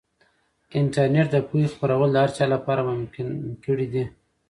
انټرنیټ د پوهې خپرول د هر چا لپاره ممکن کړي دي.